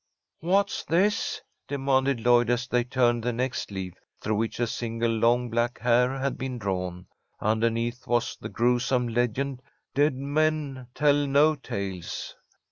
"What's this?" demanded Lloyd, as they turned the next leaf, through which a single long black hair had been drawn. Underneath was the gruesome legend, "Dead men tell no tales."